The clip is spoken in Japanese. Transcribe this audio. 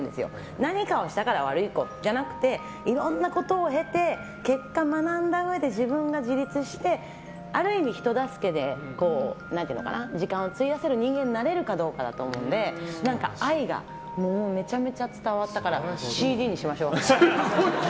何かをしたから悪い子じゃなくていろんなことを経て結果、学んだうえで自分が自立してある意味、人助けで時間を費やせる人間になれるかどうかだと思うので愛がめちゃめちゃ伝わったからＣＤにしましょう。